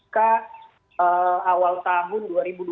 ke awal tahun dua ribu dua puluh